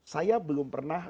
saya belum pernah